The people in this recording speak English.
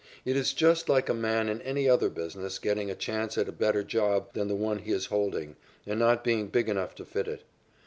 It is just like a man in any other business getting a chance at a better job than the one he is holding and not being big enough to fit it.